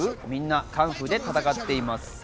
みんなカンフーで戦っています。